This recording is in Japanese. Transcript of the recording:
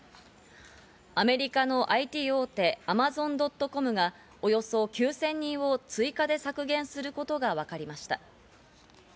アメリカのＩＴ大手、アマゾン・ドット・コムがおよそ９０００人を追加で削減することがわかりました。